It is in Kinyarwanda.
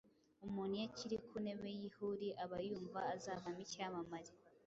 Umuntu iyo akiri kuntebe yihuri abayumva azavamo icyamamare